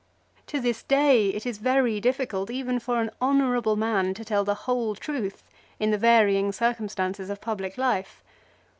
To this day it is very difficult even for an honour able man to tell the whole truth in the varying circumstances of public life.